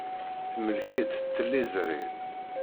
Temlek-itt tliẓri.